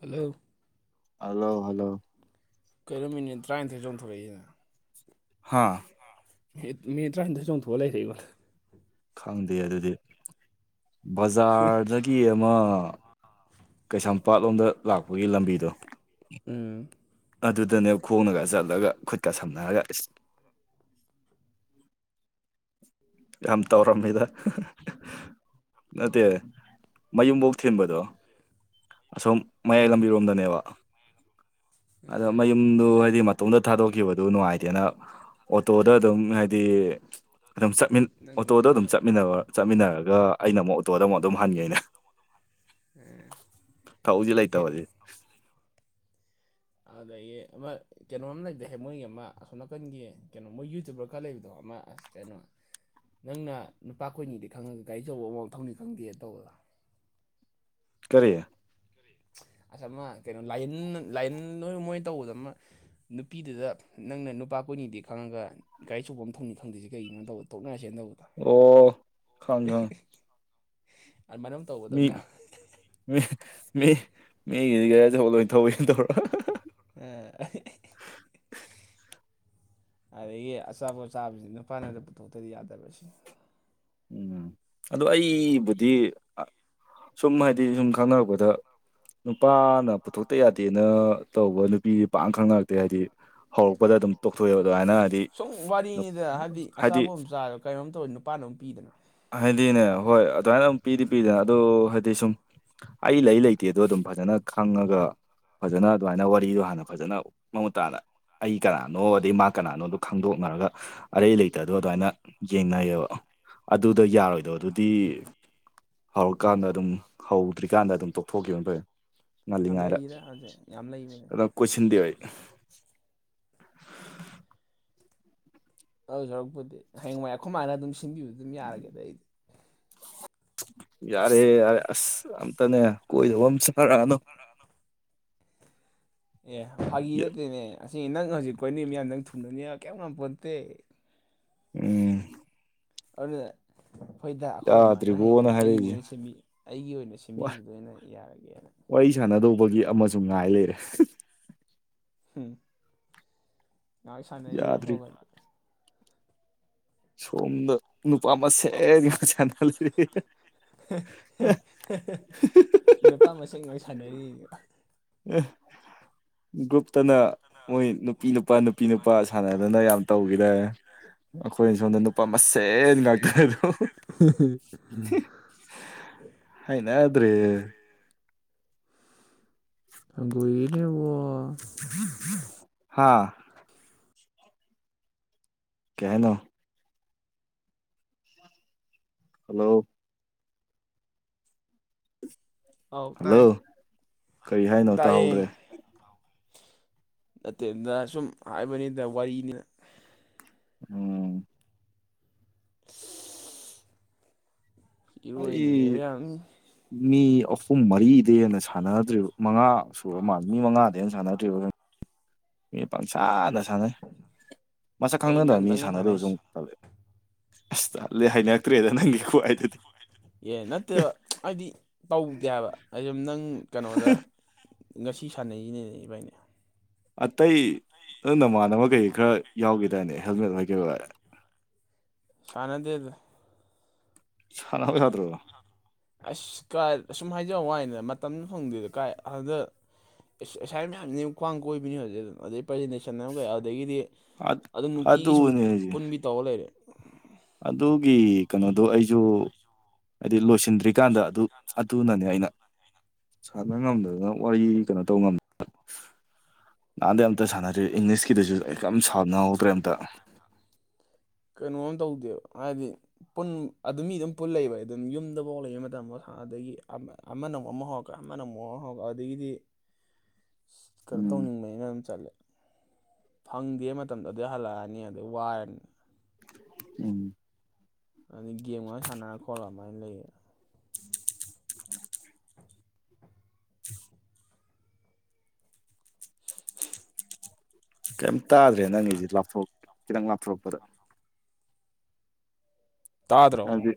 Hello hello hello ꯀꯩꯅꯣ minute ꯇꯔꯥꯅꯤꯣꯏ ꯆꯣꯡꯊꯣꯔꯛꯏꯅ ꯍꯥꯥ ꯃ ꯇꯔꯥꯅꯤꯊꯣꯏ ꯆꯣꯡꯊꯣꯛꯑ ꯂꯩꯔꯦ ꯑꯩꯕꯣ ꯈꯪꯗꯦ ꯑꯗꯨꯗꯤ ꯕꯖꯥꯔꯗꯒꯤ ꯑꯃ ꯀꯩꯁꯥꯝꯄꯥꯠ ꯂꯣꯝꯗ ꯂꯥꯛꯄꯒꯤ ꯂꯝꯕꯤꯗꯣ ꯎꯝ ꯑꯗꯨꯗꯅꯦ ꯈꯣꯡꯅꯒ ꯆꯠꯂꯒ ꯈꯨꯠꯀ ꯁꯝꯅꯔꯒ ꯌꯥꯝꯝ ꯇꯧꯔꯝꯃꯤꯗ ꯅꯠꯇꯦ ꯃꯌꯨꯝꯕꯣꯛ ꯊꯤꯟꯕꯗꯣ ꯑꯁꯣꯝ ꯃꯌꯥꯏ ꯑꯥ ꯂꯝꯕꯤꯔꯣꯝꯗꯅꯦꯕ ꯑꯗ ꯑꯥ ꯃ ꯌꯨꯝꯗꯨ ꯍꯥꯏꯗꯤ ꯃꯇꯨꯡꯗ ꯊꯥꯗꯣꯛꯈꯤꯕꯗꯨ ꯅꯨꯡꯉꯥꯏꯇꯦꯅ ꯑꯣꯇꯣꯗ ꯑꯗꯨꯝ ꯍꯥꯏꯗꯤ ꯑꯗꯨꯝꯠ ꯅꯪ ꯑꯣꯇꯣꯗꯣ ꯂꯨꯖꯃꯤꯟꯅꯕ ꯑꯗꯨꯝꯠꯃꯤꯟꯅꯕ ꯆꯠꯃꯤꯟꯅꯔꯒ ꯑꯩꯅ ꯑꯃꯨꯛ ꯑꯣꯇꯣꯗ ꯑꯃꯨꯛ ꯑꯗꯨꯝ ꯍꯟꯒꯦꯅꯦ ꯊꯥꯎꯖꯤ ꯂꯩ ꯌꯥꯏ ꯀꯩꯅꯣ ꯇꯕꯗꯤꯦ ꯑꯗꯌꯦ ꯑꯃ ꯀꯩꯅꯣꯝ ꯂꯩꯗꯍꯦꯛ ꯃꯣꯏꯒꯤ ꯑꯃ ꯑꯁꯣꯝ ꯅꯥꯀꯟꯒꯤ ꯀꯩꯅꯣ ꯃꯣꯏ ꯌꯨꯇꯌꯨꯕꯔ ꯈꯔ ꯂꯩꯕꯗꯣ ꯑꯃ ꯑꯁ ꯀꯩꯅꯣ ꯅꯪꯅ ꯅꯨꯄꯥ ꯀꯣꯏꯅꯤꯗꯤ ꯈꯪꯉꯒ ꯒꯥꯔꯤꯆꯧꯕ ꯑꯃꯃꯊꯧꯅꯤ ꯈꯪꯗꯦ ꯇꯧꯕꯗ ꯀꯔꯤꯦ ꯑꯁ ꯑꯃ ꯀꯩꯅꯣ ꯂꯥꯏꯌꯦꯟ ꯂꯥꯏꯟ ꯂꯣꯏ ꯃꯣꯏ ꯇꯧꯕꯗ ꯑꯃ ꯅꯨꯄꯤꯗꯨꯗ ꯅꯪꯅ ꯅꯨꯄꯥ ꯀꯣꯏꯅꯤꯡꯗꯤ ꯈꯪꯉꯒ ꯒꯥꯔꯤ ꯆꯆꯄꯐꯝ ꯊꯝ ꯈꯪꯗꯦ ꯀꯔꯤꯅꯣ ꯇꯗ ꯊꯣꯛꯅꯔꯁꯦꯅ ꯇꯧꯕꯣ ꯑꯣ ꯈꯪ ꯈꯪ ꯃꯅꯝ ꯃꯤ ꯃꯤ ꯃꯤ ꯃꯤꯒꯤꯗꯤ ꯒꯥꯔꯤ ꯑꯁꯨꯧꯕ ꯂꯣꯏ ꯊꯧꯋꯅ ꯇꯧꯔꯣ ꯑꯦ ꯑꯗꯒꯤ ꯑꯆꯥꯄꯣꯠꯆꯥꯥꯕꯁꯤꯅ ꯅꯨꯄꯥꯅꯗ ꯄꯨꯊꯣꯛꯇꯗꯤ ꯌꯥꯗꯕꯕꯁꯤ ꯎꯝ ꯑꯗꯣ ꯑꯩꯕꯨꯗꯤ ꯁꯨꯝ ꯍꯥꯏꯗꯤ ꯁꯨꯝ ꯈꯪꯅꯔꯛꯄꯗ ꯅꯨꯄꯥꯅ ꯄꯨꯊꯣꯛꯇ ꯌꯥꯗꯦꯅ ꯇꯧꯕ ꯅꯨꯄꯤ ꯄꯥꯛ ꯈꯪꯅꯔꯛꯇꯦ ꯍꯥꯏꯗꯤ ꯍꯧꯔꯛꯄꯗ ꯑꯗꯨꯝ ꯇꯣꯛꯊꯣꯛꯑꯦꯕ ꯑꯗꯨꯃꯥꯏꯅ ꯍꯥꯏꯗꯤ ꯁꯨꯝ ꯋꯥꯔꯤꯅꯤꯗ ꯍꯥꯏꯕꯗꯤ ꯍꯥꯏꯗꯤ ꯑꯆꯥꯄꯣꯠ ꯑꯃ ꯆꯥꯔꯣ ꯀꯩꯅꯣꯝ ꯇꯧ ꯅꯨꯄꯥꯅ ꯑꯗꯨꯝ ꯄꯤꯗꯅ ꯍꯥꯏꯗꯤꯅꯦ ꯍꯣꯏ ꯑꯗꯨꯃꯥꯏꯅ ꯑꯗꯨꯝ ꯄꯤꯗꯤ ꯎꯝ ꯄꯤꯗꯅ ꯑꯗꯨ ꯍꯥꯏꯗꯤ ꯁꯨꯝ ꯑꯩ ꯂꯩ ꯂꯩꯇꯦꯗꯣ ꯑꯗꯨꯝ ꯐꯖꯅ ꯈꯪꯉꯒ ꯐꯖꯅ ꯑꯗꯨꯃꯥꯏꯅ ꯋꯥꯔꯤꯗꯣ ꯍꯥꯟꯅ ꯐꯖꯅ ꯃꯃꯨꯠ ꯇꯥꯅ ꯑꯩ ꯀꯅꯥꯅꯣ ꯑꯗꯩ ꯃꯥ ꯀꯅꯥꯅꯣꯗꯣ ꯈꯪꯗꯣꯛꯅꯔꯒ ꯑꯔꯩ ꯂꯩꯇꯗꯣ ꯑꯗꯨꯃꯥꯏꯅ ꯌꯦꯡꯅꯩꯌꯦꯕ ꯑꯗꯨꯗ ꯎꯝ ꯌꯥꯔꯣꯏꯗꯧꯗꯨꯗꯤ ꯍꯧꯔꯀꯥꯟꯗ ꯑꯗꯨꯝ ꯍꯧꯗ꯭ꯔꯤꯀꯥꯟꯗ ꯑꯗꯨꯝ ꯇꯣꯛꯊꯣꯛꯈꯤꯕꯅ ꯐꯩꯕ ꯌꯥꯝ ꯂꯩꯗ ꯍꯧꯖꯤꯛ ꯌꯥꯝ ꯂꯩꯕꯅꯦ ꯉꯜꯂꯤꯉꯥꯏꯗ ꯀꯣꯏꯁꯤꯟꯗꯦ ꯑꯩ ꯑꯗꯨꯢ ꯁꯔꯨꯛꯄꯨꯗꯤ ꯍꯌꯦꯡꯋꯥꯏ ꯑꯩꯈꯣꯏ ꯃꯥꯥꯅ ꯑꯗꯨꯝ ꯁꯤꯟꯕꯤꯕꯨ ꯑꯗꯨꯝ ꯌꯥꯔꯒꯦꯗ ꯑꯩꯗꯤ ꯌꯥꯔꯦ ꯌꯥꯔꯦ ꯑꯁ ꯑꯝꯇꯅꯦ ꯀꯣꯏꯗꯧꯕ ꯑꯝ ꯁꯠ ꯁꯒꯔꯅ [inaudible] ꯑꯦ ꯐꯥꯒꯤ ꯅꯠꯇꯦꯅꯦ ꯑꯁ ꯅꯪ ꯍꯧꯖꯤꯛ ꯀꯣꯏꯅꯩ ꯃꯤꯌꯥꯝꯗꯣ ꯅꯪ ꯊꯨꯡꯅꯅꯤ ꯀꯤꯝ ꯉꯥꯝꯄꯣꯟꯇꯦ ꯎꯝ ꯑꯗꯨꯅ ꯍꯣꯏꯗ ꯑꯩꯈꯣꯏꯃꯅ ꯍꯌꯦꯡ ꯌꯥꯗ꯭ꯔꯤꯕꯣꯅ ꯋꯥꯢ ꯍꯥꯏꯔꯛꯏꯁꯦ ꯑꯩꯒꯤꯅꯦꯅ ꯁꯦꯝꯕꯤ ꯑꯩꯒꯤ ꯑꯣꯏꯅ ꯁꯦꯝꯕꯤꯕꯗꯣ ꯑꯣꯏꯅ ꯌꯥꯔꯒꯦꯅ ꯋꯥꯔꯤ ꯁꯥꯟꯅꯗꯧꯕꯒꯤ ꯑꯃꯁꯨ ꯉꯥꯏ ꯂꯩꯔꯦ ꯎꯝ ꯉꯥꯛ ꯁꯥꯟꯅꯔꯤ ꯌꯥꯗ꯭ꯔꯤ ꯁꯣꯝꯗ ꯁꯣꯝꯗ ꯅꯨꯄꯥ ꯃꯁꯦꯟ ꯉꯥꯛꯇ ꯁꯥꯟꯅ ꯂꯩꯔꯦ ꯑꯄꯥꯝꯕꯁꯤꯡ ꯂꯣꯏꯅ ꯁꯥꯟꯅꯔꯤ ꯒ꯭ꯔꯨꯞꯇꯅ ꯃꯣꯏ ꯅꯨꯄꯤ ꯅꯨꯄꯥ ꯅꯨꯄꯤ ꯅꯨꯄꯥ ꯁꯥꯟꯅꯗꯅ ꯌꯥꯝ ꯇꯧꯈꯤꯗꯥꯢꯅꯦ ꯑꯩꯈꯣꯏꯅ ꯁꯣꯝꯗ ꯅꯨꯄꯥ ꯃꯁꯦꯟ ꯉꯥꯛꯇ ꯑꯝ ꯍꯩꯅꯗ꯭ꯔꯦꯍꯦ ꯑꯪꯒꯅꯦꯕ [inaudible] ꯍꯥꯥ ꯀꯩ ꯍꯥꯢꯅꯣ ꯍꯜꯂꯣ ꯑꯥꯎ ꯍꯜꯂꯣ ꯇꯥꯏ ꯀꯔꯤ ꯍꯥꯏꯅꯣ ꯇꯥꯏꯌꯦ ꯇꯥꯍꯧꯗ꯭ꯔꯦ ꯅꯠꯇꯦ ꯇ ꯁꯨꯝ ꯍꯥꯏꯕꯅꯤꯗ ꯋꯥꯔꯤꯅꯤꯅ ꯑꯣ ꯏꯔꯣꯏꯅꯤꯉꯦꯗ ꯑꯩ ꯌꯥꯝ ꯃꯤ ꯑꯍꯨꯝ ꯃꯔꯤꯗꯩ ꯍꯦꯟꯅ ꯁꯥꯟꯅꯗ꯭ꯔꯤꯕ ꯃꯉꯥ ꯁꯨꯨꯔ ꯃꯥꯜꯂꯦ ꯃꯤ ꯃꯉꯥꯗꯩ ꯍꯦꯟꯅ ꯁꯥꯟꯅꯗ꯭ꯔꯤꯕ ꯃꯤ ꯄꯥꯡꯁꯥꯟꯗ ꯁꯥꯟꯅꯩ ꯃꯁꯛ ꯑꯩ ꯈꯪꯅꯗꯕ ꯃꯤ ꯅꯪꯗꯪꯅꯦ ꯁꯥꯟꯅꯔꯨꯕꯁꯨ ꯁꯥꯟꯅꯩꯁꯦ ꯑꯃꯨꯛ ꯑꯁ ꯇꯥꯜꯂꯦ ꯍꯩꯅꯔꯛꯇ꯭ꯔꯦꯗ ꯅꯪꯒꯤ ꯈꯨꯍꯥꯢꯗꯨꯗꯤ ꯑꯦ ꯅꯠꯇꯦꯕ ꯑꯩꯗꯤ ꯇꯧꯗꯦ ꯍꯥꯏꯕ ꯑꯩꯝ ꯅꯪ ꯀꯩꯅꯣꯗ ꯉꯁꯤ ꯁꯥꯟꯅꯩꯁꯤꯅꯦ ꯏꯕꯥꯅꯤ ꯑꯇꯩ ꯅ ꯅꯃꯥꯟꯅꯕ ꯀꯩ ꯈꯔ ꯌꯥꯎꯈꯤꯗꯥꯢꯅꯦ ꯍꯦꯜꯃꯦꯠ ꯍꯣꯏ ꯀꯩ ꯍꯣꯢ ꯁꯅꯗꯦꯗ ꯁꯅꯥ ꯌꯥꯗꯔꯣ ꯑꯁ ꯀꯥꯏ ꯑꯁꯨꯝ ꯍꯥꯏꯖ ꯋꯥꯅꯤꯗ ꯃꯇꯝ ꯐꯪꯗꯦꯗ ꯀꯥꯏ ꯑꯗ ꯑꯦꯁꯥꯏ ꯃꯌꯥꯝꯁꯤ ꯈ꯭ꯋꯥꯡ ꯀꯣꯏꯕꯤꯅꯤ ꯍꯧꯖꯤꯛ ꯑꯗꯨ ꯑꯗꯩ ꯄ꯭ꯔꯖꯦꯟꯇꯦꯁꯟ ꯑꯃ ꯀꯩ ꯑꯗꯒꯤꯗꯤ ꯑꯗꯨ ꯅꯨꯡꯇꯤꯒꯤ ꯁꯨꯝ ꯑꯗꯨꯅꯦ ꯍꯥꯏꯁꯦ ꯄꯨꯟꯕꯤ ꯇꯧꯔ ꯂꯩꯔꯦ ꯑꯗꯨꯒꯤ ꯀꯩꯅꯣꯗꯣ ꯑꯩꯁꯨ ꯍꯥꯏꯗꯤ ꯂꯣꯏꯁꯤꯟꯗ꯭ꯔꯤ ꯀꯥꯟꯗ ꯑꯗꯨ ꯑꯗꯨꯅꯅꯦ ꯑꯩꯅ ꯁꯥꯟꯅꯕ ꯉꯝꯗꯗꯅ ꯋꯥꯔꯤ ꯀꯩꯅꯣ ꯇꯧꯕ ꯉꯝꯗ ꯅꯍꯥꯟꯗ ꯌꯥꯝ ꯇ ꯁꯥꯟꯅꯗꯦ ꯏꯪꯂꯤꯁꯀꯤꯗꯨꯁꯨ ꯀꯩꯝ ꯁꯥꯎꯟ ꯌꯥꯎꯗ꯭ꯔꯦ ꯑꯝꯇ ꯀꯩꯅꯣ ꯑꯣꯟ ꯇꯧꯗꯦꯕ ꯍꯥꯏꯗꯤ ꯄꯨꯟ ꯑꯗꯨ ꯃꯤ ꯑꯗꯨꯝ ꯄꯨꯟ ꯂꯩꯕ ꯑꯗꯨꯝ ꯌꯨꯝꯗꯐꯥꯎ ꯂꯩꯕ ꯃꯇꯝꯐꯥꯎ ꯍꯥꯟꯅꯗꯒꯤ ꯑꯃ ꯑꯃꯅ ꯑꯃꯨꯛ ꯑꯃ ꯍꯧꯔꯛꯀꯦ ꯑꯃꯅ ꯑꯃꯨꯛ [unintelligible] ꯑꯗꯒꯤꯗꯤ ꯀꯩꯟ ꯎꯝ ꯇꯧꯅꯤꯡꯕꯅꯤꯅ ꯗꯨꯝ ꯆꯠꯂꯦ ꯐꯪꯗꯦ ꯃꯇꯝꯗꯨ ꯑꯗꯨ ꯍꯜꯂꯛꯑꯅꯤ ꯑꯗꯩ ꯋꯥꯔꯅꯤ ꯎꯝ꯫ ꯑꯗꯩ ꯒꯦꯝ ꯉꯥꯢꯍꯥꯛ ꯁꯥꯟꯅꯔ ꯈꯣꯠꯂ ꯑꯗꯨꯃꯥꯏꯅ ꯂꯩꯔꯥꯅꯤ ꯀꯩꯝ ꯇꯥꯗ꯭ꯔꯦ ꯅꯪꯒꯤꯁꯤ ꯂꯥꯞꯊꯣꯛ ꯈꯤꯇꯪ ꯂꯥꯞꯊꯣꯔꯛꯄꯗ ꯇꯥꯗ꯭ꯔꯣ ꯍꯥꯏꯗꯤ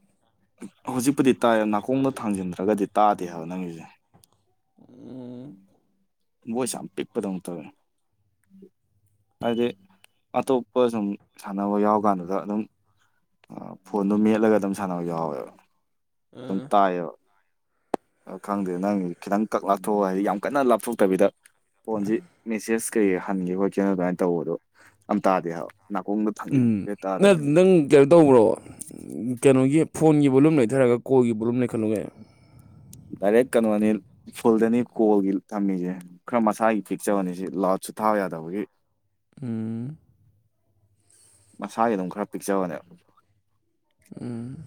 ꯍꯧꯖꯤꯛꯄꯨꯗꯤ ꯇꯥꯏ ꯅꯥꯀꯣꯡꯗ ꯊꯥꯡꯖꯤꯟꯗ꯭ꯔꯒꯗꯤ ꯇꯥꯗꯦ ꯍꯥꯏꯕ ꯅꯪꯒꯤꯁꯦ ꯎꯝ ꯚꯣꯏꯁ ꯌꯥꯝ ꯄꯤꯛꯄꯗꯧꯅ ꯇꯧꯋꯦ ꯍꯥꯏꯗꯤ ꯑꯇꯣꯞꯄ ꯁꯨꯝ ꯁꯥꯟꯅꯕ ꯌꯥꯎ ꯀꯥꯟꯗꯒ ꯑꯗꯨꯝ ꯐꯣꯟꯗꯣ ꯃꯦꯠꯂꯒ ꯑꯗꯨꯝ ꯁꯥꯟꯅꯕ ꯌꯥꯎꯋꯦꯕ ꯑꯗꯨꯝ ꯎꯝ ꯇꯥꯏꯌꯦꯕ꯫ ꯈꯪꯗꯦ ꯅꯪ ꯈꯤꯇꯪ ꯀꯛ ꯂꯥꯞꯊꯣꯛꯑꯣ ꯍꯥꯏꯗꯤ ꯌꯥꯝ ꯀꯟꯅ ꯂꯥꯞꯊꯣꯛꯇꯕꯤꯗ ꯐꯣꯟꯁꯤ ꯃꯦꯁꯦꯁ ꯀꯩꯩ ꯍꯟꯒꯦ ꯈꯣꯠꯈꯤꯕ ꯀꯩꯅꯣ ꯑꯗꯨꯃꯥꯏꯅ ꯇꯧꯕꯗꯣ ꯑꯝ ꯇꯥꯗꯦ ꯍꯥꯏꯕ ꯅꯥꯀꯣꯡꯗ ꯎꯝ ꯊꯥꯡꯖꯤꯟꯗꯔꯤꯈꯩ ꯊꯥꯗꯥꯔꯦ ꯅ ꯅꯪ ꯀꯩꯅꯣ ꯇꯧꯕ꯭ꯔꯣ ꯀꯩꯅꯣꯒꯤ ꯐꯣꯟꯒꯤ ꯕꯣꯂꯨꯝ ꯂꯩꯊꯔꯒ ꯀꯣꯜꯒꯤ ꯕꯣꯂꯨꯝ ꯂꯩꯈꯠꯂꯣ ꯀꯩꯅꯣ ꯗꯥꯢꯔꯦꯛ ꯀꯩꯅꯣꯅꯤ ꯐꯨꯜꯗꯅꯤ ꯀꯣꯜꯒꯤ ꯊꯝꯃꯤꯁꯦ ꯈꯔ ꯃꯁꯥꯒꯤ ꯄꯤꯛꯆꯕꯅꯤ ꯁꯤ ꯂꯥꯎꯠꯁꯨ ꯊꯥ ꯌꯥꯗꯕꯒꯤ ꯎꯝ ꯃꯁꯥꯒꯤ ꯑꯗꯨꯝ ꯈꯔ ꯄꯤꯛꯆꯕꯅꯦ ꯎꯝ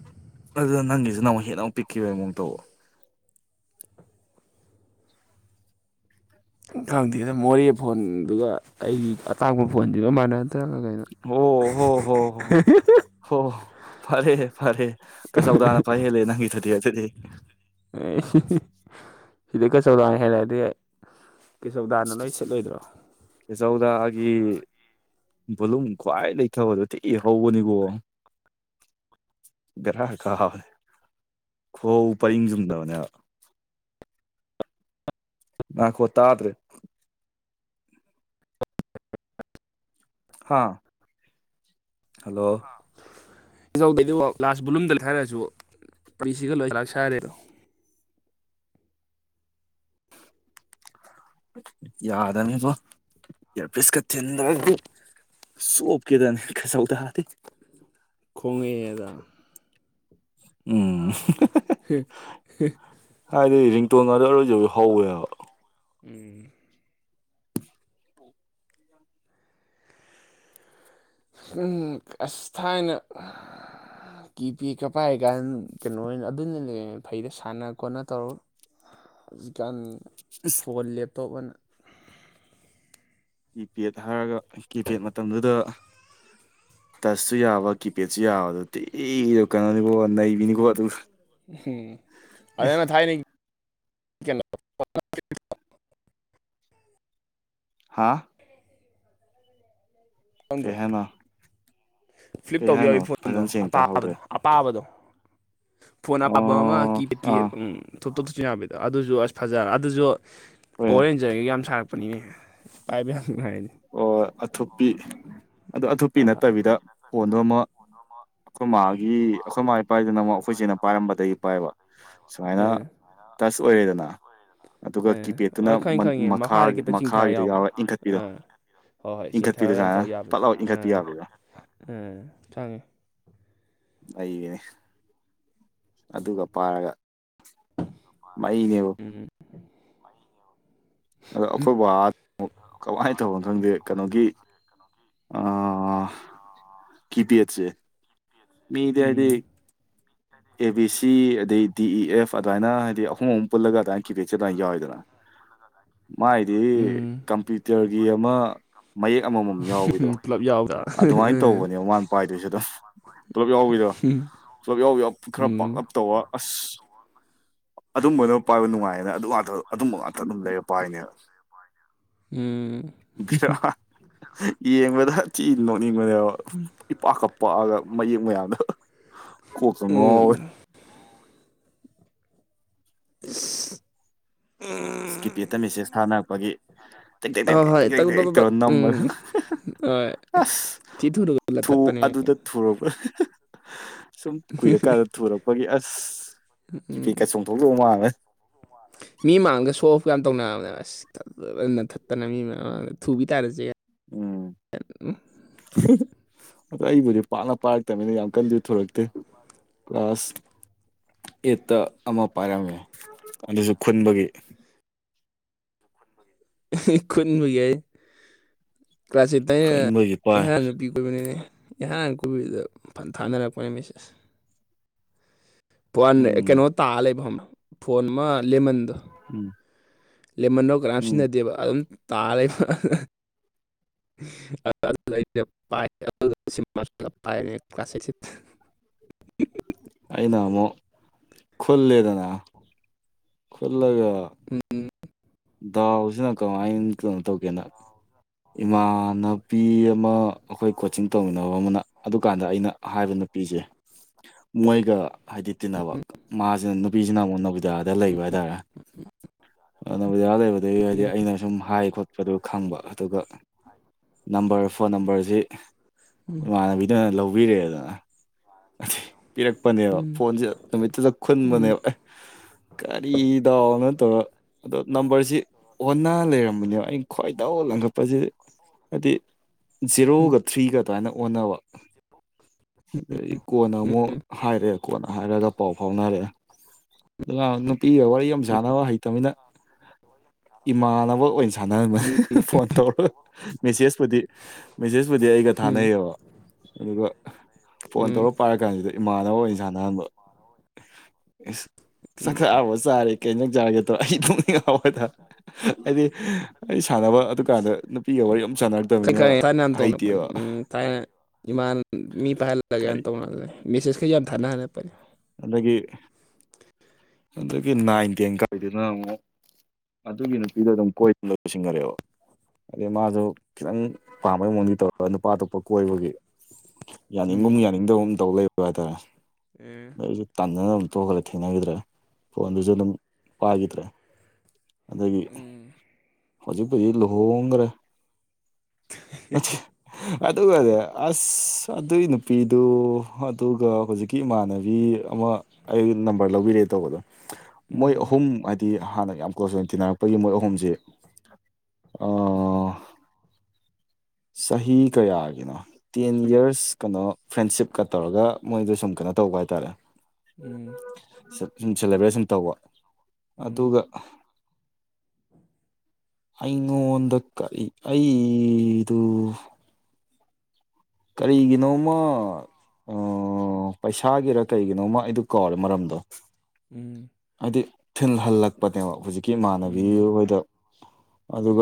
ꯑꯗꯨꯗ ꯅꯪꯒꯤꯁꯨ ꯅꯃꯨꯛ ꯍꯦꯟꯅ ꯑꯃꯨꯛ ꯄꯤꯛꯈꯤꯕꯒꯤ ꯑꯃꯨꯛ ꯇꯧꯕ ꯈꯪꯗꯦꯅꯦ ꯃꯣꯔꯦ ꯐꯣꯟꯗꯨꯒ ꯑꯩꯒꯤ ꯑꯇꯥꯡꯕ ꯐꯣꯟꯁꯤꯒ ꯃꯥꯟꯅꯗꯦ ꯀꯩꯅꯣ ꯍꯣ ꯍꯣ ꯍꯣ ꯍꯣ [unintelligible] ꯍꯣ ꯐꯔꯦ ꯐꯔꯦ ꯀꯁꯥꯎ ꯗꯅ ꯐꯥ ꯍ‌ꯦꯜꯂ‌ꯦ ꯅꯪꯒꯤ ꯗꯨꯗꯤ ꯑꯗꯨꯗꯤ꯫ ꯑꯦ ꯁꯤꯗꯩ ꯀꯆꯧꯗꯅ ꯍꯦꯜꯂ ꯗꯤ ꯀꯦꯆꯧꯗꯥꯅ ꯂꯣꯢ ꯁꯤꯠꯂꯣꯏꯗ꯭ꯔꯣ ꯀꯆꯧꯗꯒꯤ ꯚꯣꯂꯨꯝ ꯈ꯭ꯋꯥꯏ ꯂꯩꯊꯕꯗꯣ ꯊꯤꯅ ꯍꯧꯕꯅꯤꯀꯣ ꯕꯦꯔꯥ ꯈꯥꯕꯅꯦ ꯈꯨꯍꯧ ꯄꯔꯤꯡ ꯆꯨꯝꯗꯕꯅꯦꯕ ꯅꯥꯏꯈꯣ ꯇꯥꯗ꯭ꯔꯦ ꯍꯥ ꯍꯜꯂꯣ ꯑꯗꯨꯐ ꯂꯥꯁ ꯕꯨꯣꯂꯨꯝꯗ ꯍꯥꯏꯔꯛꯁꯨ ꯄꯁꯤꯒ ꯂꯣꯏ ꯁꯥꯂꯥꯛ ꯍꯥꯏꯔꯦꯗꯣ ꯌꯥꯗꯕꯅꯦꯕꯨ ꯌꯦꯔ ꯄꯤꯁꯀ ꯊꯤꯟꯗ꯭ꯔꯥꯗꯤ꯫ ꯆꫭꯞ ꯀꯦꯗꯅꯤ ꯀꯆꯧꯗꯗꯤ ꯈꯣꯡꯉ‌ꯦꯗꯣ ꯎꯝ [unintelligible] ꯍꯥꯏꯗꯤ ꯔꯤꯇꯣꯟ ꯑꫭꯏꯔꯕꯁꯨ ꯍꯧꯋꯦꯕ ꯎꯝ ꯑꯁ ꯊꯥꯏꯅ ꯀꯤ ꯄꯦꯒꯀ ꯄꯥꯏꯔꯤ ꯀꯥꯟ ꯀꯩꯅꯣ ꯑꯣꯏꯅ ꯑꯗꯨꯅ ꯐꯩꯗ ꯁꯥꯟꯅ ꯈꯣꯠꯅ ꯇꯧꯔꯒ ꯍꯧꯖꯤꯀꯦꯟ ꯑꯁ ꯐꯣꯟ ꯂꯦꯞꯇꯣꯞ ꯑꯥꯅ ꯀꯤꯄꯦꯗ ꯍꯥꯏꯔꯒ ꯀꯤꯄꯦꯗ ꯃꯇꯝꯗꯨꯗ꯫ ꯇꯁꯁꯨ ꯌꯥꯕ ꯀꯤꯄꯦꯗꯁꯨ ꯌꯥꯕ ꯑꯗꯨ ꯊꯤ ꯀꯩꯅꯣꯅꯤꯀꯣ ꯅꯩꯕꯤꯅꯤꯀꯣ ꯑꯗꯨꯒ ꯑꯗꯨꯅ ꯊꯥꯏꯅꯒꯤ꯫ ꯍꯥꯥ꯫ ꯈꯪꯗ꯭ꯔꯣ ꯀꯩꯍꯥꯏꯅꫭ ꯐ꯭ꯂꯤꯞ ꯇꯧꯕꯤꯌꯣ ꯍꯥꯏꯌꯣ ꯐꯣꯟꯗꯣ ꯐꯖꯅ ꯁꯦꯡ ꯑꯇꯥꯕꯗꯣ ꯇꯥꯍꯧꯗ꯭ꯔꯦ ꯑꯄꯥꯕꯗꯣ ꯐꯣꯟ ꯑꯄꯞꯄ ꯑꯃ ꯀꯤ ꯑꯣ ꯀꯤ ꯑꯥ ꯎꯝ ꯊꯨꯞ ꯇꯨꯞ ꯊꯨꯞꯁꯤꯟ ꯌꯥꯕꯤꯗꯣ ꯑꯗꯨꯖꯨ ꯑꯁ ꯐꯖ ꯑꯗꯨꯖꯨ ꯍꯣꯏ ꯄꯣꯋꯔ ꯔꯦꯟꯖꯔꯒꯤ ꯌꯥꯝ ꯁꯥꯔꯛꯄꯅꯤꯅꯦ ꯄꯥꯏꯕ ꯌꯥꯝ ꯄꯥꯏꯔꯛꯏꯗ ꯑꯣ ꯑꯊꯨꯞꯄꯤ ꯑꯗꯨ ꯑꯊꯨꯞꯄꯤ ꯑꯍ ꯅꯠꯇꯕꯤꯗ ꯐꯣꯟꯗꯣ ꯑꯃ ꯑꯩꯈꯣꯏ ꯃꯥꯒꯤ ꯑꯩꯈꯣꯏ ꯃꯥꯏꯠ ꯄꯥꯏꯗꯅ ꯑꯃꯨꯛ ꯑꯩꯈꯣꯏ ꯆꯦꯅꯥ ꯄꯥꯏꯔꯝꯕꯗꯒꯤ ꯄꯥꯏꯕ ꯁꯨꯃꯥꯏꯅ [unintelligible] ꯇꯁ ꯑꯣꯏꯔꯦꯗꯅ ꯇꯁ ꯑꯗꯨꯒ ꯑꯣꯏꯔꯦꯗꯅ ꯑ ꯀꯤꯄꯦꯗꯠꯇꯨꯅ ꯈꯪꯉꯤ ꯈꯪꯉꯤ ꯃꯈꯥ ꯃꯈꯥꯗ ꯈꯤꯇꯪ ꯆꯤꯡꯊꯔ ꯃꯈꯥꯒꯤꯗ ꯌꯥꯎꯕꯗꯣ ꯌꯥꯎꯔ ꯑ ꯏꯟꯈꯠꯄꯤꯗꯣ ꯍꯣꯏ ꯍꯣꯏ ꯏꯟꯈꯠꯄꯤꯗꯣ ꯆꯤꯡꯊꯔ ꯁꯨꯃꯥꯏꯅ ꯇꯧ ꯌꯥꯕꯤ ꯄꯠ ꯂꯥꯎ [unintelligible] ꯏꯟꯈꯠꯄꯤ ꯎꯝ ꯌꯥꯕꯤꯗꯣ ꯎꯝ ꯈꯪꯉꯤ ꯂꯩꯒꯅꯤ ꯑꯗꯨꯒ ꯄꯥꯔꯒ ꯃꯩꯅꯦꯕꯨ ꯎꯝ ꯑꯗꯣ ꯑꯩꯈꯣꯏ ꯕꯥ ꯃꯨꯛ ꯀꯃꯥꯏꯟ ꯇꯧꯕꯅꯣ ꯈꯪꯗꯦ ꯀꯩꯅꯣꯒꯤ ꯑꯥ.. ꯀꯤ ꯄꯦꯠꯁꯦ ꯃꯤꯗꯤ ꯍꯥꯏꯗꯤ ꯎꯝ ꯑꯦ ꯕꯤ ꯁꯤ ꯑꯗꯩ ꯗꯤ ꯏ ꯑꯦꯐ ꯑꯗꯨꯃꯥꯏꯅ ꯍꯥꯏꯗꯤ ꯑꯍꯨꯝ ꯑꯍꯨꯝ ꯄꯨꯜꯂꯒ ꯑꯗꯨꯃꯥꯏ ꯀꯤꯄꯦꯠꯁꯤ ꯑꯗꯨꯃꯥꯏ ꯌꯥꯎꯋꯦꯗꯅ ꯃꯥꯏꯗꯤ ꯎꯝ ꯀꯝꯄ꯭ꯌꯨꯇꯔꯒꯤ ꯑꯃ ꯃꯌꯦꯛ ꯑꯃꯝꯃꯝ ꯌꯥꯎꯕꯤꯗꯣ ꯄꯨꯂꯞ ꯌꯥꯎꯕꯗ ꯑꯗꯨꯃꯥꯏꯅ ꯇꯧꯕꯅꯦ ꯃꯥꯅ ꯄꯥꯏꯗꯣꯏꯖꯨ ꯑꯗꯨꯝ ꯄꯨꯂꯞ ꯌꯥꯎꯕꯤꯗꯣ ꯄꯨꯂꯞ ꯌꯥꯎ ꯌꯥꯎ ꯈꯔ ꯎꯝ ꯄꯥꯛꯂꯞ ꯇꯧꯕ ꯑꯁ ꯑꯗꯨꯝꯕꯅ ꯄꯥꯏꯕ ꯅꯨꯡꯉꯥꯏꯌꯦꯅ ꯑꯗꯨ ꯉꯥꯇ ꯑꯗꯨꯝꯕ ꯉꯥꯛꯇ ꯑꯗꯨꯝ ꯂꯩꯔ ꯄꯥꯏꯅꯦꯕ ꯎꯝ [unintelligible] ꯌꯦꯡꯕꯗ ꯊꯤ ꯅꯣꯛꯅꯤꯡꯕꯅꯦꯕ ꯎꯝ ꯏꯄꯥꯛꯀ ꯄꯥꯛꯑꯒ ꯃꯌꯦꯛ ꯃꯌꯥꯝꯗꯣ ꯀꯣꯛꯀ ꯉꯥꯎꯋꯦ ꯎꯝ [unintelligible] ꯏꯁ ꯀꯤꯞꯄꯦꯠꯇ ꯃꯦꯁꯦꯁ ꯊꯥꯅꯕꯒꯤ ꯇꯦꯛ ꯇꯦꯛ ꯇꯦꯛ ꯍꯣꯏ ꯇꯦꯛ ꯍꯣꯏ ꯇꯦꯛ ꯇꯦꯛ ꯇꯛ ꯇꯛ ꯇꯦꯛ ꯇꯛ ꯇꯛ ꯇꯧꯔ ꯅꯝꯕ ꯎꯝ [unintelligible] ꯑꯁ ꯊꯤ ꯊꯨꯅꯒ ꯊꯨ ꯂꯟꯊꯠꯄꯅꯦ ꯑꯗꯨꯗ ꯊꯨꯔꯕ ꯁꯨꯝ ꯀꯨꯏꯔꯀꯥꯟꯗ ꯊꯨꯔꯛꯄꯒꯤ ꯑꯁ [unintelligible] [unintelligible] ꯆꯣꯡꯊꯣꯛꯂꯨꯕ ꯃꯥꯜꯂꯦ ꯃꯤ ꯃꯥꯡꯗ ꯁꯣ ꯑꯣꯐ ꯀ ꯌꯥꯝ ꯇꯧꯅꯕꯅꯦꯕ ꯑꯁ [unintelligible] ꯃꯤ ꯃꯌꯥꯝ ꯃꯃꯥꯡꯗ ꯊꯨꯕꯤ ꯇꯥꯅꯖꯦ ꯎꯝ [unintelligible] ꯑꯗꯣ ꯑꯩꯕꯨꯗꯤ ꯄꯥꯛꯅ ꯄꯥꯔꯛꯇꯕꯅꯤꯅ ꯌꯥꯝ ꯀꯟꯅꯗꯤ ꯊꯨꯔꯛꯇꯦ ꯀ꯭ꯂꯥꯁ ꯑꯩꯠꯇ ꯑꯃ ꯄꯥꯏꯔꯝꯃꯦ ꯑꯗꯨꯁꯨ ꯈꯨꯟꯕꯒꯤ [unintelligible] ꯈꯨꯟꯕꯒꯤ ꯑꯌꯦ ꯀ꯭ꯂꯥꯁ ꯑꯩꯠ [unintelligible] ꯑꯩꯅ ꯈꯨꯟꯕꯒꯤ ꯄꯥꯏ ꯏꯍꯥꯟ ꯍꯥꯟꯅ ꯅꯨꯄꯤ ꯀꯣꯏꯕꯅꯤꯅꯦ ꯏꯍꯥꯟ ꯍꯥꯟꯅ ꯀꯣꯏꯕꯗꯨꯗ ꯐ ꯊꯥꯅꯔꯛꯄꯅꯦ ꯃꯦꯁꯦꯁ ꯐꯣꯟ ꯎꯝ ꯀꯩꯅꯣ ꯇꯥ ꯂꯩꯕ ꯈꯪꯕ ꯐꯣꯟ ꯑꯃ ꯂꯦꯃꯟꯗꯣ ꯎꯝ ꯂꯦꯃꯟꯗꯣ ꯀꯅꯥꯝ ꯎꯝ ꯁꯤꯖꯤꯟꯅꯗꯦꯕ ꯑꯗꯨꯝ ꯇꯥ ꯂꯩꯕ [unintelligible] ꯑꯩꯅ ꯑꯃꯨꯛ ꯈꯨꯜꯂꯦꯗꯅ ꯈꯨꯜꯂꯒ ꯎꯝ ꯗꯥꯎꯖꯤꯅ ꯀꯃꯥꯏꯅ ꯀꯩꯅꯣ ꯇꯧꯒꯦꯅ ꯏꯃꯥꯟꯅꯥꯄꯤ ꯑꯃ ꯑꯩꯈꯣꯏ ꯀꯣꯆꯤꯡ ꯇꯧꯃꯤꯟꯅꯕ ꯑꯃꯅ ꯑꯗꯨꯀꯥꯟꯗ ꯑꯩꯅ ꯍꯥꯏꯕ ꯅꯨꯄꯤꯖꯦ ꯃꯣꯏꯒ ꯍꯥꯏꯗꯤ ꯇꯤꯟꯅꯕ ꯃꯥꯖꯤꯅ ꯅꯨꯄꯤꯖꯤꯅ ꯑꯃꯨꯛ ꯅꯣꯕꯣꯗꯤꯌꯥꯗ ꯂꯩꯕ ꯍꯥꯏꯇꯥꯔꯦ ꯅꯣꯕꯣꯗꯤꯌꯥ ꯂꯩꯕꯗꯒꯤ ꯍꯥꯏꯗꯤ ꯎꯝ ꯑꯩꯅ ꯁꯨꯝ ꯍꯥꯏ ꯈꯣꯠ ꯑꯗꯨ ꯈꯪꯕ ꯑꯗꯨꯒ ꯅꯝꯕꯔ ꯐꯣꯟ ꯅꯝꯕꯔꯖꯤ ꯎꯝ ꯏꯃꯥꯟꯅꯕꯤꯗꯨꯅ ꯂꯧꯕꯤꯔꯛꯑꯦꯗꯅ [unintelligible] ꯄꯤꯔꯛꯄꯅꯦꯕ ꯐꯣꯟꯖꯦ ꯅꯨꯃꯤꯠꯇꯨꯗ ꯎꯝ ꯎꯝ ꯎꯝ ꯎꯝ ꯎꯝ ꯈꯨꯟꯕꯅꯦꯕ ꯑꯦ ꯀꯔꯤ ꯗꯥꯎꯅꯣ ꯇꯧꯔ ꯑꯗꯣ ꯅꯝꯕꯔꯁꯤ ꯑꯣꯟꯅ ꯂꯩꯔꯝꯕꯅꯦꯕ ꯑꯩꯩꯅ ꯈ꯭ꯋꯥꯏꯗꯧ ꯂꯪꯈꯠꯄꯁꯤ ꯍꯥꯏꯗꯤ ꯖꯦꯔꯣꯒ ꯊ꯭ꯔꯤꯒ ꯑꯗꯨꯃꯥꯏꯅ ꯑꯣꯟꯅꯕ ꯑꯗꯒꯤ ꯀꯣꯟꯅ ꯑꯃꯨꯛ ꯍꯥꯏꯔꯛꯑꯦ ꯀꯣꯟꯅ ꯍꯥꯏꯔꯒ ꯄꯥꯎ ꯐꯥꯎꯅꯔꯑꯦ ꯑꯗꯨꯅ ꯅꯨꯄꯤꯒ ꯋꯥꯔꯤ ꯌꯥꯝ ꯁꯥꯟꯅꯕ ꯍꯩꯇꯃꯤꯅ ꯏꯃꯥꯟꯅꯕ ꯑꯣꯏꯅ ꯁꯥꯟꯅꯔꯝꯃꯦ ꯐꯣꯟ ꯇꯧꯔꯒ ꯃꯦꯁꯦꯖꯄꯨꯗꯤ ꯃꯦꯁꯦꯖꯄꯨꯗꯤ ꯑꯩꯒ ꯎꯝ ꯎꯝ ꯊꯥꯅꯩꯌꯦꯕ ꯑꯗꯨꯒ ꯐꯣꯟ ꯎꯝ ꯇꯧꯔ ꯄꯥꯔ ꯀꯥꯟꯁꯤꯗ ꯏꯃꯥꯟꯅꯕ ꯑꯣꯏꯅ ꯁꯥꯟꯅꯍꯟꯕ ꯑꯦ ꯎꯝ ꯆꯥꯛꯈꯥꯑꯕ ꯆꯥꯔꯦ ꯀꯩꯗ ꯆꯥꯒꯦꯗ꯭ꯔꯣ ꯑꯩ ꯅꯣꯡꯅꯤꯡ ꯉꯥꯕ ꯍꯥꯢꯇꯔꯦ ꯍꯥꯢꯗꯤ ꯑꯩ ꯁꯥꯟꯅꯕ ꯑꯗꯨꯀꯥꯟꯗ ꯅꯨꯄꯤꯒ ꯋꯥꯔꯤ ꯑꯝ ꯁꯥꯟꯅ ꯀꯩꯀꯥ ꯊꯥꯏꯅ ꯇꯧꯅ ꯎꯝ ꯊꯥꯏꯅ ꯏꯃꯥꯟ ꯃꯤ ꯄꯥꯏꯍꯜꯂꯒ ꯀꯔꯤ ꯇꯧꯅꯕ ꯃꯦꯁꯦꯖꯀ ꯌꯥꯝ ꯊꯥꯅꯔꯛꯄꯅꯦ ꯑꯗꯒꯤ ꯑꯗꯒꯤ ꯅꯥꯏꯟ ꯇꯦꯟ ꯀꯥꯏꯗꯨꯅ ꯑꯃꯨꯛ ꯑꯗꯨꯒꯤ ꯅꯨꯄꯤꯗꯣ ꯑꯗꯨꯝ ꯀꯣꯏꯅ ꯂꯣꯏꯁꯤꯟꯒꯔꯦꯕ ꯑꯗꯩ ꯃꯥꯗꯣ ꯈꯤꯇꯪ ꯄꯥꯝꯕꯩ ꯃꯑꯣꯡꯗꯤ ꯇꯧꯔꯒ ꯅꯨꯄꯥ ꯑꯇꯣꯞꯄ ꯀꯣꯏꯕꯒꯤ ꯌꯥꯅꯤꯡꯒꯨꯝ ꯎꯝ ꯌꯥꯅꯤꯡꯗꯕ ꯑꯨꯝ ꯇꯧ ꯂꯩꯕ ꯍꯥꯏꯇꯥꯔꯦ ꯑꯦ ꯑꯗꯨꯗ ꯑꯩꯁꯨ ꯇꯥꯟꯗꯅ ꯑꯗꯨꯝ ꯇꯣꯛꯈ꯭ꯔꯦ ꯊꯦꯡꯅꯈꯤꯗ꯭ꯔꯦ ꯐꯣꯟꯗꯨꯁꯨ ꯑꯗꯨꯝ ꯄꯥꯏꯈꯤꯗ꯭ꯔꯦ ꯑꯗꯒꯤ ꯎꯝ ꯍꯧꯖꯤꯛꯄꯨꯗꯤ ꯂꯨꯍꯣꯡꯈ꯭ꯔꯦ ꯑꯗꯨꯒꯅꯦ ꯑꯁ ꯑꯗꯨꯏ ꯅꯨꯄꯤꯗꯨ ꯑꯗꯨꯒ ꯍꯧꯖꯤꯛ ꯏꯃꯥꯟꯅꯕꯤ ꯑꯃ ꯑꯩ ꯅꯝꯕꯔ ꯂꯧꯕꯤꯔꯦ ꯇꯧꯕꯗꯣ ꯃꯣꯏ ꯎꯝ ꯍꯥꯏꯗꯤ ꯍꯥꯟꯅ ꯌꯥꯝ ꯀ꯭ꯂꯣꯁ ꯑꯣꯏꯅ ꯇꯤꯟꯅꯔꯛꯄꯒꯤ ꯃꯣꯏ ꯑꯍꯨꯝꯁꯦ ꯑ ꯑ ꯁꯍꯤ ꯀꯌꯥꯒꯤꯅꯣ ꯇꯦꯟ ꯌꯔꯁ ꯀꯩꯅꯣ ꯐ꯭ꯔꯦꯟꯁꯤꯞꯀ ꯇꯧꯔꯒ ꯃꯣꯏꯗꯣ ꯁꯨꯝ ꯀꯩꯅꯣ ꯇꯧꯕ ꯍꯥꯏꯇꯥꯔꯦ ꯎꯝ ꯁꯨꯝ ꯁꯦꯂꯦꯕ꯭ꯔꯦꯁꯟ ꯇꯧꯕ ꯎꯝ ꯑꯗꯨꯒ [inaudible] ꯑꯩꯉꯣꯟꯗ ꯀꯔꯤ ꯑꯩꯗꯨ ꯀꯔꯤꯒꯤꯅꯣꯃ ꯑꯑꯥ ꯄꯩꯁꯥꯒꯤꯔ ꯀꯩꯒꯤꯅꯣꯃ ꯑꯩꯗꯨ ꯀꯥꯎꯔꯦ ꯃꯔꯝꯗꯣ ꯎꯝ ꯍꯥꯏꯗꯤ ꯊꯤꯜ ꯍꯜꯂꯛꯄꯅꯦꯕ ꯍꯧꯖꯤꯛꯀꯤ ꯏꯃꯥꯟꯅꯕꯤ ꯎꯝ ꯍꯣꯏꯗ ꯑꯗꯨꯒ